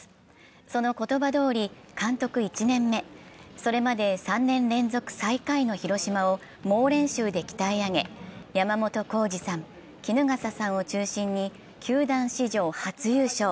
その言葉どおり、監督１年目、それまで３年連続最下位の広島を猛練習で鍛え上げ、山本浩二さん、衣笠さんを中心に球団史上初優勝。